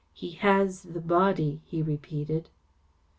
"He has the Body," he repeated.